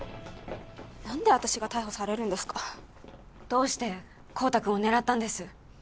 何で私が逮捕されるんですかどうして孝多君を狙ったんです？